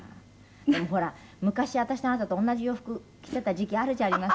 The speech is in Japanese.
でもほら昔私とあなたと同じ洋服着てた時期あるじゃありませんか。